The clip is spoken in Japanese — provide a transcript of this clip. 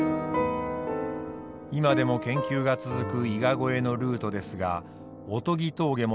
今でも研究が続く伊賀越えのルートですが御斎峠もその一つ。